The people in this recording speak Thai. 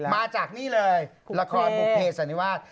มาจากนี่เลยละครบุคเพศ